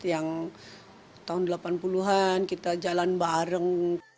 yang tahun delapan puluh an kita jalan bareng